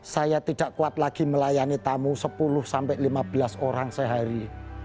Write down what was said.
saya tidak kuat lagi melayani tamu sepuluh sampai lima belas orang sehari